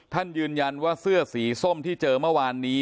ท่านยืนยันว่าเสื้อสีส้มที่เจอเมื่อวานนี้